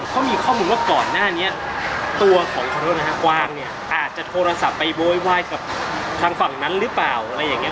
เขามีข้อมูลว่าก่อนหน้านี้ตัวของขอโทษนะฮะกวางเนี่ยอาจจะโทรศัพท์ไปโวยวายกับทางฝั่งนั้นหรือเปล่าอะไรอย่างนี้